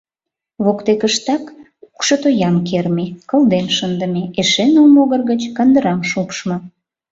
Воктекыштак кукшо тоям керме, кылден шындыме, эше ныл могыр гыч кандырам шупшмо.